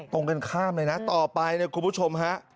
ตรงกันข้ามเลยนะต่อไปเนี่ยคุณผู้ชมฮะ